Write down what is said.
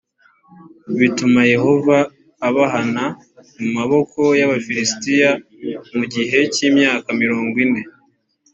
bituma yehova abahana mu maboko y abafilisitiya mu gihe cy’imyaka mirongo ine